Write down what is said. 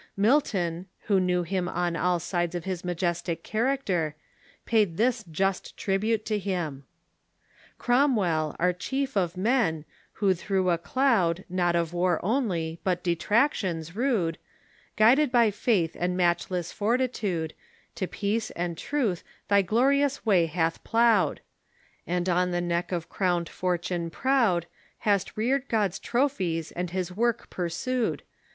Milton, who knew him on all sides of his majestic charactei', paid this just tribute to him : "Cromwell, our chief of men, who through a cloud, Not of war only, but detractions rude, Guided by faith and matchless fortitude, To peace and truth thy glorious way hath ploughed ; And on the neck of crowned fortune proud Hast reared God's trophies and his work pursued.